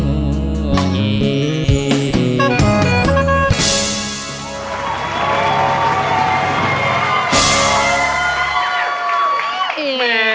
แหมเสียงดีมากเลยนะ